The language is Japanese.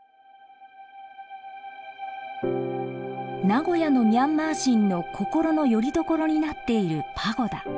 名古屋のミャンマー人の心のよりどころになっているパゴダ。